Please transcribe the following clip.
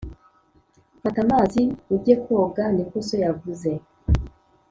Fata amazi ugekoga niko so yavuze